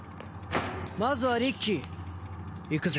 まずはリッキーいくぜ。